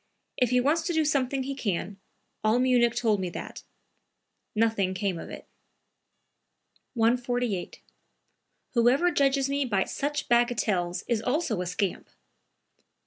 "If he wants to do something he can; all Munich told me that." Nothing came of it.) 148. "Whoever judges me by such bagatelles is also a scamp!"